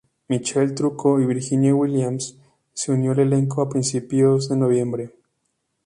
Michael Trucco y Virginia Williams se unió al elenco a principios de noviembre.